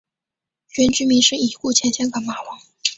原居民是已故前香港马王。